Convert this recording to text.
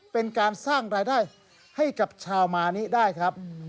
เป็นการสร้างรายได้ให้กับชาวมานิได้ครับ